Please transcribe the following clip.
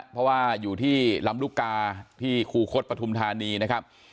เพราะว่าอยู่ที่ลำลูกกาที่คูคศปฐุมธานีนะครับ